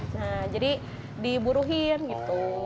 nah jadi diburuhin gitu